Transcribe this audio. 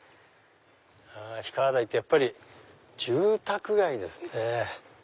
氷川台ってやっぱり住宅街ですね。